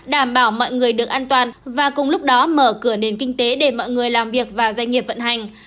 đảm bảo mọi người được an toàn và cùng lúc đó mở cửa nền kinh tế để mọi người làm việc và doanh nghiệp vận hành